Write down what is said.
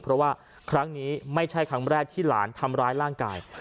เพราะว่าครั้งนี้ไม่ใช่ครั้งแรกที่หลานทำร้ายร่างกาย